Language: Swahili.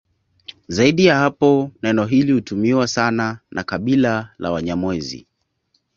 Zaidi ya hapo neno hili hutumiwa sana na kabila la Wanyamwezi